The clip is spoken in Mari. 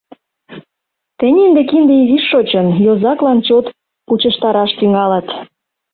Тений ынде кинде изиш шочын, йозаклан чот пучыштараш тӱҥалыт.